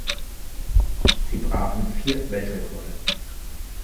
Sie brachen vier Weltrekorde.